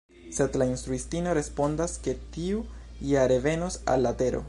Sed la instruistino respondas ke tiu ja revenos al la tero.